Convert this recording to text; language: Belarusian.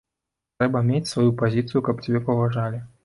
Трэба мець сваю пазіцыю, каб цябе паважалі.